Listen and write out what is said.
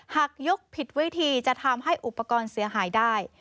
หากยกผิดวิธีจะทำให้อุปกรณ์เสียหายได้